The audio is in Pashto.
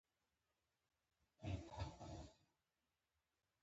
څه پروا لري که موږ سان ګبریل ونیسو؟